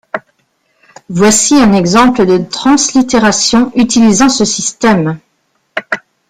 Voici un exemple de translittération utilisant ce système.